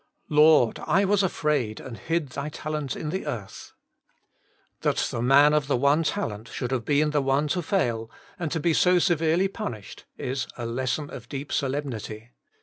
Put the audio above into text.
' Lord, I zvas afraid and hid thy talent in the earth/ That the man of the one talent should have been the one to fail, and to be so severely punished is a lesson of deep solemnity.